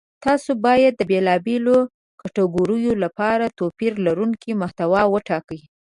تاسو باید د بېلابېلو کتګوریو لپاره توپیر لرونکې محتوا وټاکئ.